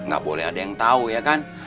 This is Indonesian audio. nggak boleh ada yang tahu ya kan